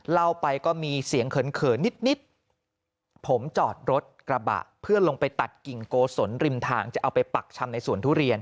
เล่าไปก็มีเสียงเขินเขินนิดผมจอดรถกระบะเพื่อลงไปตัดกิ่งโกศลริมทางจะเอาไปปักชำในสวนทุเรียน